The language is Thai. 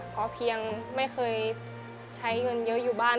พอเพียงไม่เคยใช้เงินเยอะอยู่บ้าน